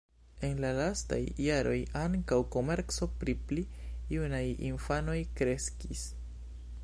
En la lastaj jaroj ankaŭ komerco pri pli junaj infanoj kreskis.